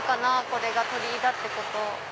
これが鳥居だってこと。